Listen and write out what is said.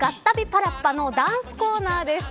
パラッパ！のダンスコーナーです。